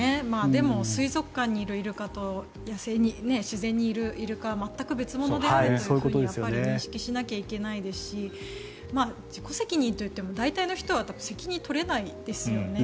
でも水族館にいるイルカと野生のイルカは全く別物であると認識しないといけないですし自己責任といっても大体の人は責任を取れないですよね。